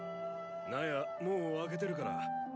納屋もう開けてるから。